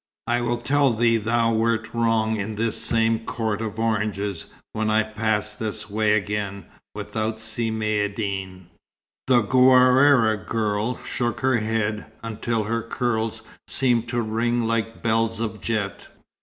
"I will tell thee thou wert wrong in this same court of oranges when I pass this way again without Si Maïeddine." The Ghuâra girl shook her head, until her curls seemed to ring like bells of jet.